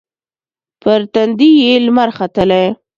پر تندې یې لمر ختلي